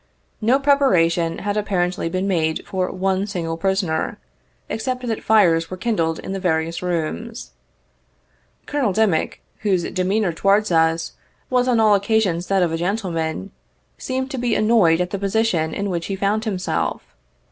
No preparation had apparently been made for one single prisoner, except that fires were kindled in the various rooms. Colonel Dimick, whose demeanor towards us was on all occasions that of a gentle man, se'emed to be annoyed at the position in which he found himself.